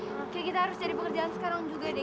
nanti kita harus jadi pekerjaan sekarang juga deh